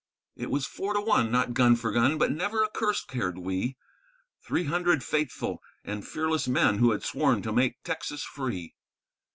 _ It was four to one, not gun for gun, but never a curse cared we, Three hundred faithful and fearless men who had sworn to make Texas free.